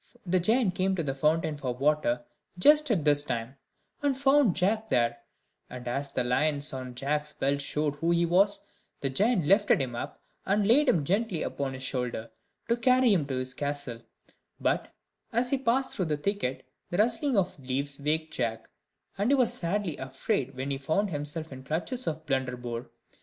The giant came to the fountain for water just at this time, and found Jack there; and as the lines on Jack's belt showed who he was, the giant lifted him up and laid him gently upon his shoulder, to carry him to his castle; but, as he passed through the thicket, the rustling of the leaves waked Jack; and he was sadly afraid when he found himself in the clutches of Blunderbore.